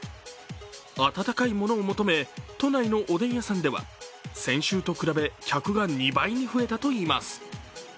温かいものを求め、都内のおでん屋さんでは先週と比べ客が２倍に増えたといいます。